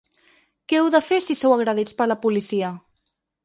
Què heu de fer si sou agredits per la policia?